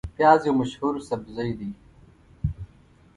پیاز یو مشهور سبزی دی